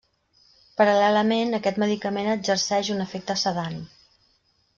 Paral·lelament aquest medicament exerceix un efecte sedant.